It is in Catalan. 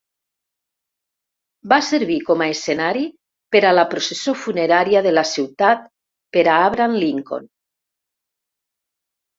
Va servir com a escenari per a la processó funerària de la ciutat per a Abraham Lincoln.